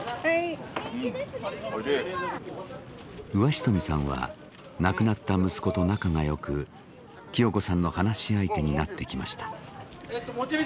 上蔀さんは亡くなった息子と仲が良く清子さんの話し相手になってきました。